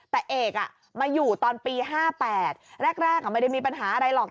แต่เอกมาอยู่ตอนปี๕๘แรกไม่ได้มีปัญหาอะไรหรอก